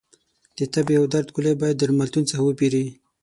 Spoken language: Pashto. د تبې او درد ګولۍ باید درملتون څخه وپېری